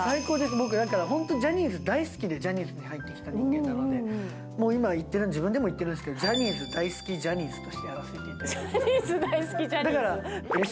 僕、だから本当ジャニーズ大好きで、ジャニーズに入ってきた人間なので、もう今、自分でも言ってるんですけど、ジャニーズ大好きジャニーズとしジャニーズ大好きジャニーズ。